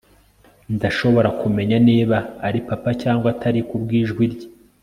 ndashobora kumenya niba ari papa cyangwa atari kubwijwi rye